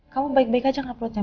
kamu baik baik aja gak uploadnya